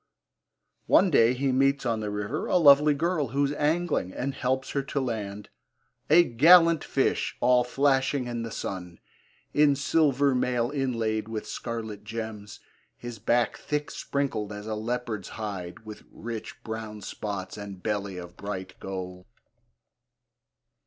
One day he meets on the river a lovely girl who is angling, and helps her to land A gallant fish, all flashing in the sun In silver mail inlaid with scarlet gems, His back thick sprinkled as a leopard's hide With rich brown spots, and belly of bright gold.